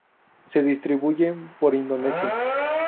Se distribuyen por Indonesia.